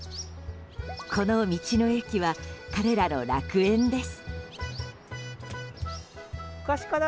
この道の駅は彼らの楽園です。